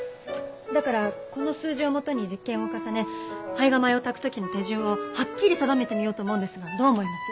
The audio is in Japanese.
だからこの数字を元に実験を重ね胚芽米を炊く時の手順をはっきり定めてみようと思うんですがどう思います？